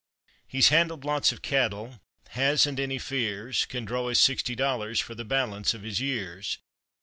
He's handled lots of cattle, hasn't any fears, Can draw his sixty dollars for the balance of his years.